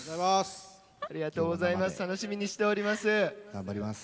楽しみにしております。